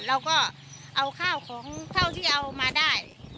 เราก็เอาข้าวของเท่าที่เอามาได้